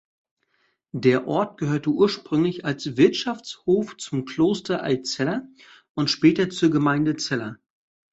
Der Ort gehörte ursprünglich als Wirtschaftshof zum Kloster Altzella und später zur Gemeinde Zella.